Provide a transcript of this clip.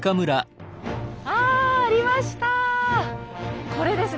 あありました！